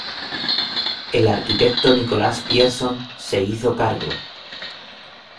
El arquitecto Nicolas Pierson se hizo cargo.